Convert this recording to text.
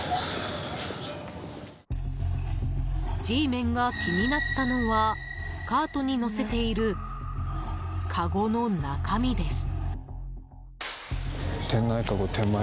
Ｇメンが気になったのはカートに載せているかごの中身です。